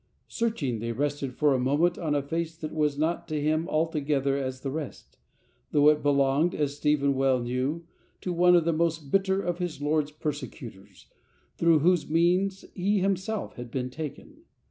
Search ing, they rested for a moment on a face that w'as not to him altogether as the rest, though it belonged, as Stephen well knew, to one of the most bitter of his Lord's persecutors, through whose means he himself had been taken.